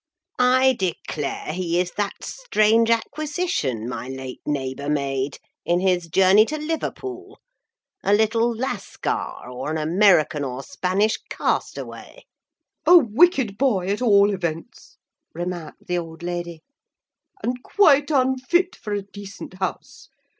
I declare he is that strange acquisition my late neighbour made, in his journey to Liverpool—a little Lascar, or an American or Spanish castaway.' "'A wicked boy, at all events,' remarked the old lady, 'and quite unfit for a decent house!